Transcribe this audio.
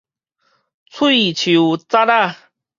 喙鬚節仔